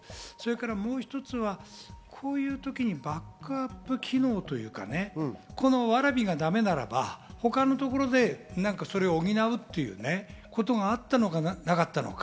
もう一つはこういう時にバックアップ機能というか、蕨がだめならば他のところでそれを補うっていうことがあったのか、なかったのか。